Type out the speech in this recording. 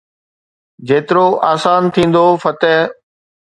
جيترو آسان ٿيندو فتح.